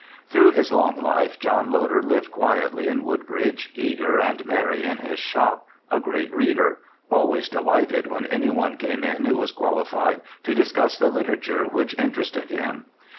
Through his long life John Loder lived quietly in Woodbridge, eager and merry in his shop, a great reader, always delighted when any one came in who was qualified to discuss the literature which interested him.